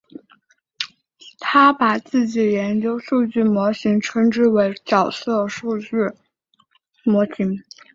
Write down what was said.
他把自己研究数据模型称之为角色数据模型。